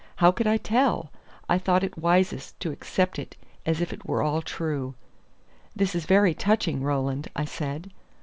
How could I tell? I thought it wisest to accept it as if it were all true. "This is very touching, Roland," I said.